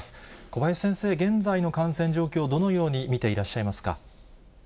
小林先生、現在の感染状況、どのように見ていらっしゃいますか。